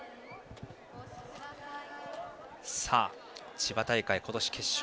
千葉大会、今年決勝